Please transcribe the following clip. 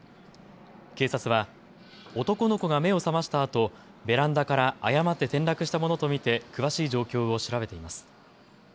警察は男の子が目を覚ましたあとベランダから誤って転落したものと見て詳しい状況を調べています。